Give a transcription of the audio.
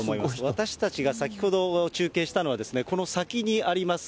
私たちが先ほど、中継したのはですね、この先にあります